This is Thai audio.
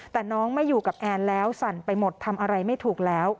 แต่น้องไม่อยู่กับแอนแล้วสั่นไปหมดทำอะไรไม่ถูกแล้ว